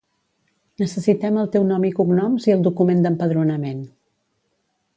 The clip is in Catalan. Necessitem el teu nom i cognoms i el document d'empadronament.